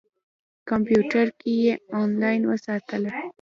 کمپیوټر کې یې انلاین وتله.